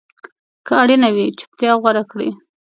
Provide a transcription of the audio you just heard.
که اړینه وي، چپتیا غوره کړئ.